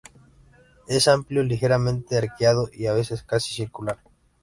Es amplio, ligeramente arqueado y a veces casi circular.